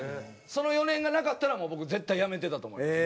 その４年がなかったらもう僕絶対やめてたと思います。